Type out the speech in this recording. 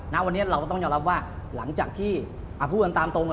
ณวันนี้เราก็ต้องยอมรับว่าหลังจากที่พูดกันตามตรง